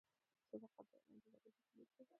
• صداقت د علم د دروازې کلید دی.